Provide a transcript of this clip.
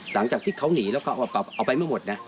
หลังจากที่เขาหนีแล้วก็เอาไปไม่หมดนะ